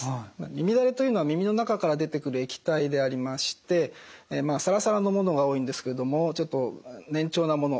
耳だれというのは耳の中から出てくる液体でありましてサラサラのものが多いんですけれどもちょっと粘稠なもの